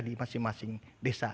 di masing masing desa